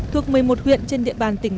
thuộc một mươi một huyện trên địa bàn tỉnh